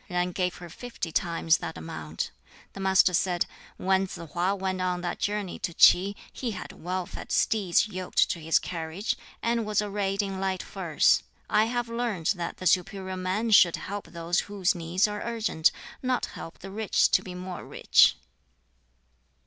Yen gave her fifty times that amount. The Master said, "When Tsz hwa went on that journey to Ts'i, he had well fed steeds yoked to his carriage, and was arrayed in light furs. I have learnt that the 'superior man' should help those whose needs are urgent, not help the rich to be more rich."